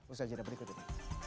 usaha jadwal berikut ini